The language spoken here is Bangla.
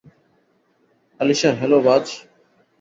আলিশা হ্যালো, বায।